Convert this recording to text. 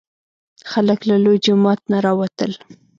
خلک له لوی جومات نه راوتل.